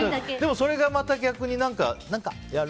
それがまた逆に何かやる？